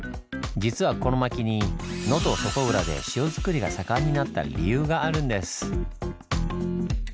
実はこの薪に能登外浦で塩作りが盛んになった理由があるんです。